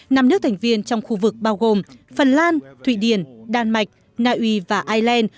năm nước thành viên trong khu vực bao gồm phần lan thụy điển đan mạch na uy và iceland